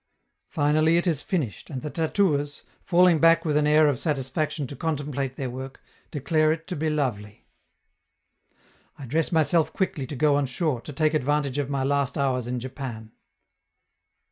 Finally it is finished, and the tattooers, falling back with an air of satisfaction to contemplate their work, declare it to be lovely. I dress myself quickly to go on shore, to take advantage of my last hours in Japan.